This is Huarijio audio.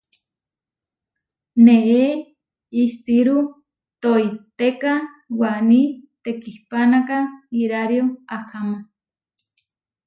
Neé isiru toitéka waní tekihpánaka irario ahama.